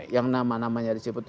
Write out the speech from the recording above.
yang nama namanya disebut